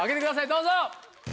どうぞ。